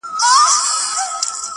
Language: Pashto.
ګراني افغاني زما خوږې خورکۍ!!